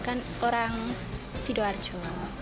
kan orang sidoarjo